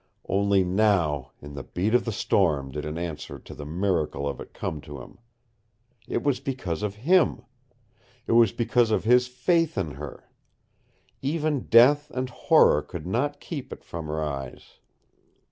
Only now, in the beat of the storm, did an answer to the miracle of it come to him. It was because of HIM. It was because of his FAITH in her. Even death and horror could not keep it from her eyes.